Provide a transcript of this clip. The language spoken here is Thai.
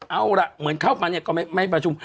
เอาล่ะเหมือนเขาก็ไม่ประชุม